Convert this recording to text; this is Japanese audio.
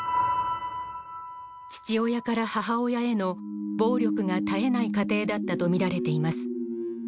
父親から母親への暴力が絶えない家庭だったと見られています。